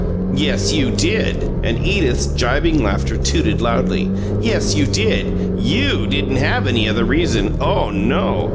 "Yes, you did!" And Edith's gibing laughter tooted loudly. "Yes, you did! YOU didn't have any other reason! OH no!